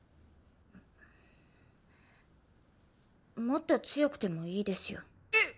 もっと強くてもいいですよ。えっ！？